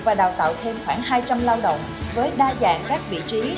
và đào tạo thêm khoảng hai trăm linh lao động với đa dạng các vị trí